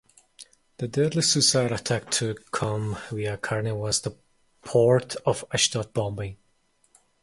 The deadliest suicide attack to come via Karni was the Port of Ashdod bombing.